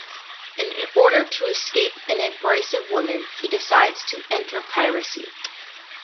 In order to escape an abrasive women, he decides to enter piracy.